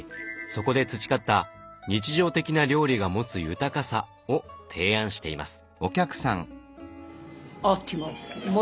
そこで培った「日常的な料理が持つ豊かさ」を提案しています。